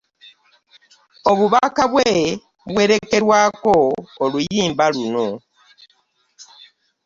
Obubaka bwe ka buwerekerweko oluyimba luno.